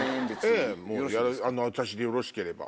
ええ私でよろしければ。